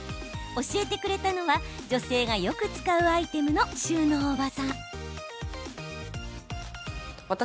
教えてくれたのは女性がよく使うアイテムの収納技。